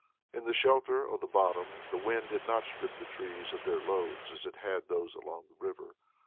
In the shelter of the bottom the wind had not stripped the trees of their loads as it had those along the river.